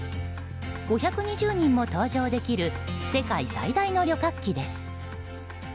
５２０人も搭乗できる世界最大の旅客機です。